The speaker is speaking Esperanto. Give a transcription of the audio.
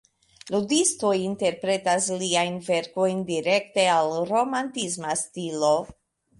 Ludistoj interpretas liajn verkojn direkte al "romantisma stilo".